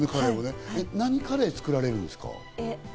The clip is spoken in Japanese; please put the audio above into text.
何カレーを作られるんですか？